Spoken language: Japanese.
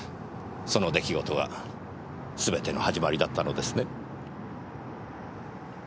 その出来事がすべての始まりだったのですね？